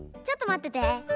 ちょっとまってて。